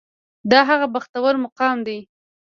دا هغه بختور مقام دی.